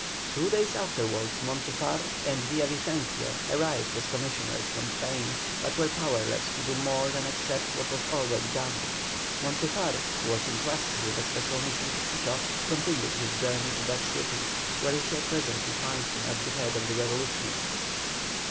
Two days afterwards Montufar and Villavicencio arrived as commissioners from Spain, but were powerless to do more than accept what was already done. Montufar, who was entrusted with a special mission to Quito, continued his journey to that city, where we shall presently find him at the head of the revolutionists.